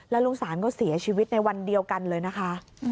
ลุงศาลก็เสียชีวิตในวันเดียวกันเลยนะคะ